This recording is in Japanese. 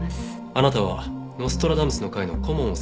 あなたはノストラダムスの会の顧問をされていたそうですね。